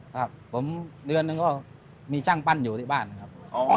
ครับผมเดือนนึงก็มีช่างปั้นอยู่ที่บ้านนะครับ